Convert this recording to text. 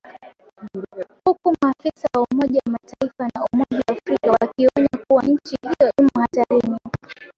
huku maafisa wa Umoja wa Mataifa na Umoja wa Afrika wakionya kuwa nchi hiyo imo hatarini